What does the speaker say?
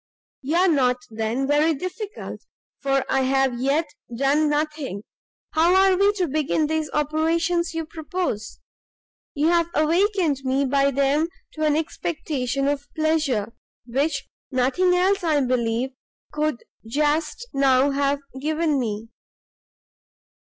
"You are not, then, very difficult, for I have yet done nothing. How are we to begin these operations you propose? You have awakened me by them to an expectation of pleasure, which nothing else, I believe, could just now have given me."